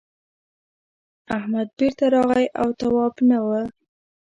احمد بېرته راغی تواب نه و.